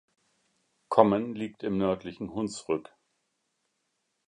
Kommen liegt im nördlichen Hunsrück.